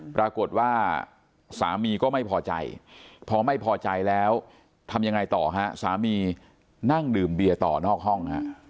ปรากฏว่าสามีก็ไม่พอใจพอไม่พอใจแล้วทำยังไงต่อฮะสามีนั่งดื่มเบียร์ต่อนอกห้องฮะ